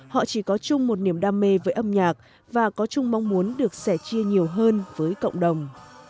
họ chỉ có chung một niềm đam mê với âm nhạc và có chung mong muốn được sẻ chia nhiều hơn với cộng đồng